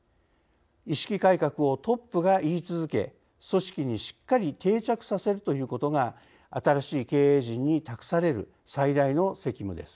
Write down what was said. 意識改革をトップが言い続け組織にしっかり定着させるということが新しい経営陣に託される最大の責務です。